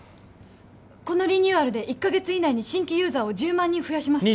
このリニューアルで１カ月以内に新規ユーザーを１０万人増やします